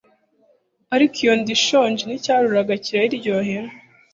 ariko iyo inda ishonje n’icyaruraga kirayiryohera